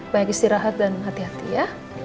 baik istirahat dan hati hati ya